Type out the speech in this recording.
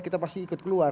kita pasti ikut keluar